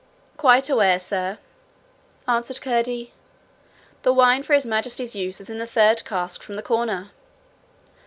'Quite aware, sir, answered Curdie. 'The wine for His Majesty's use is in the third cask from the corner.'